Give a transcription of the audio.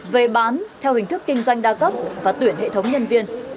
về bán theo hình thức kinh doanh đa cấp và tuyển hệ thống nhân viên